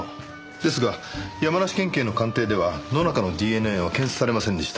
ですが山梨県警の鑑定では野中のＤＮＡは検出されませんでした。